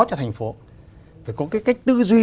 cho thành phố phải có cái cách tư duy